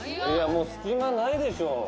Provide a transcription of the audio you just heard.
いやもう隙間ないでしょ。